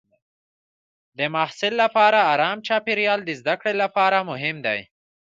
د محصل لپاره ارام چاپېریال د زده کړې لپاره مهم دی.